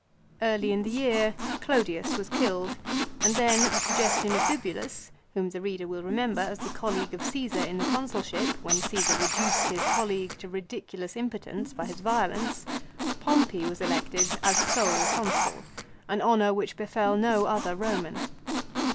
Early in the year Clodius was killed, and then at the suggestion of Bibulus, whom the reader will remember 1 " Interrogatio de sere alieno Milouis." VOL. II. F 66 LIFE OF CICERO. as the colleague of Csesar in the Consulship when Csesar reduced his colleague to ridiculous impotence by his violence, Pompey was elected as sole Consul, an honour which befell no other Eoman.